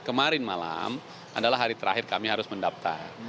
kemarin malam adalah hari terakhir kami harus mendaftar